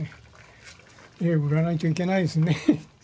絵を売らないといけないですね。